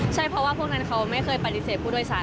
ใช่เพราะว่าพวกนั้นเขาไม่เคยปฏิเสธผู้โดยสาร